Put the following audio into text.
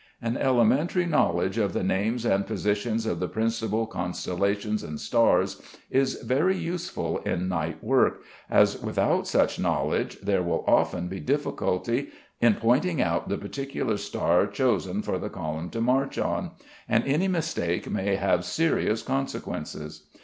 _ An elementary knowledge of the names and positions of the principal constellations and stars is very useful in night work, as without such knowledge there will often be difficulty in pointing out the particular star chosen for the column to march on, and any mistake may have serious consequences.